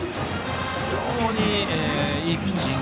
非常にいいピッチング